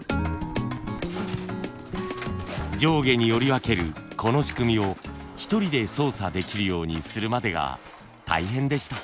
上下に織り分けるこの仕組みを１人で操作できるようにするまでが大変でした。